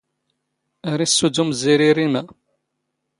ⴰⵔ ⵉⵙⵙⵓⴷⵓⵎ ⵣⵉⵔⵉ ⵔⵉⵎⴰ.